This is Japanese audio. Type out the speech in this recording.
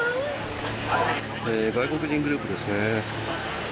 外国人グループですね。